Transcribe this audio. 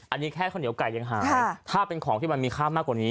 อันนี้แค่ข้าวเหนียวไก่ยังหายถ้าเป็นของที่มันมีค่ามากกว่านี้